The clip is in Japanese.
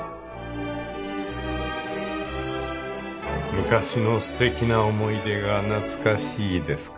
昔のすてきな思い出が懐かしいですか？